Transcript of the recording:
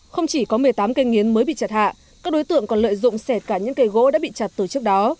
không chỉ có một mươi tám cây nghiến mới bị chặt hạ các đối tượng còn lợi dụng xẻ cả những cây gỗ đã bị chặt từ trước đó